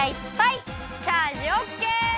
チャージオッケー！